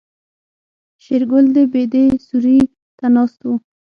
شېرګل د بيدې سيوري ته ناست و.